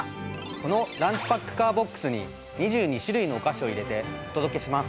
このランチパックカーＢＯＸに２２種類のお菓子を入れてお届けします。